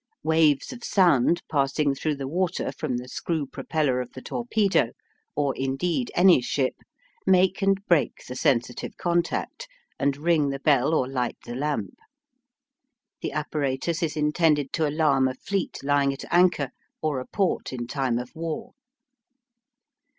Waves of sound passing through the water from the screw propeller of the torpedo, or, indeed, any ship, make and break the sensitive contact, and ring the bell or light the lamp. The apparatus is intended to alarm a fleet lying at anchor or a port in time of war.